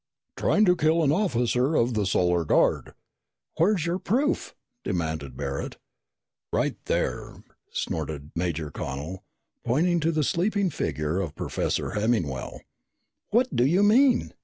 "Trying to kill an officer of the Solar Guard." "Where is your proof?" demanded Barret. "Right there!" snorted Major Connel, pointing to the sleeping figure of Professor Hemmingwell. "What do you mean?"